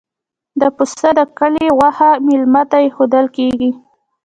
د پسه د کلي غوښه میلمه ته ایښودل کیږي.